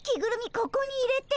ここに入れて。